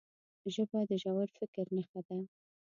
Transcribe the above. ژبه د ژور فکر نښه ده